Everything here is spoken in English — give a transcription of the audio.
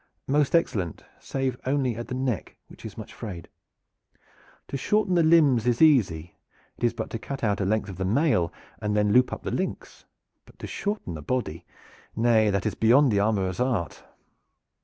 "Most excellent, save only at the neck, which is much frayed." "To shorten the limbs is easy. It is but to cut out a length of the mail and then loop up the links. But to shorten the body nay, that is beyond the armorer's art."